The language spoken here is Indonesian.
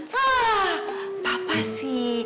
hah papa sih